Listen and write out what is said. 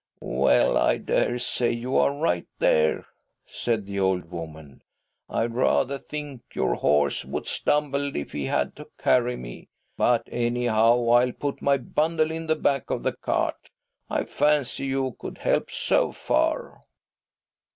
" Well, I dare say you are right there," said the old woman. " I rather think your horse would stumble if he had to carry me ; but, anyhow, ■••* I '_'"''. 140 THY SOUL SHALL BEAR WITNESS T I'll put my bundle in the back of the cart ; I fancy you could help so far."